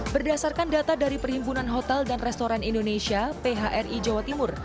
berdasarkan data dari perhimpunan hotel dan restoran indonesia phri jawa timur